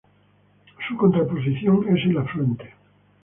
Su contraposición es el afluente.